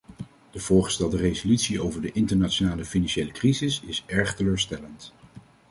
De voorgestelde resolutie over de internationale financiële crisis is erg teleurstellend.